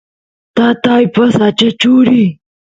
tataypa sacha churi